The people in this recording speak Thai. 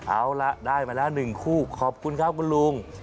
เอาล่ะได้มาแล้ว๑คู่ขอบคุณครับคุณลุง